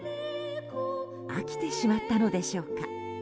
飽きてしまったのでしょうか。